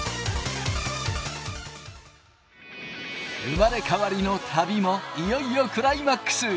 生まれ変わりの旅もいよいよクライマックス。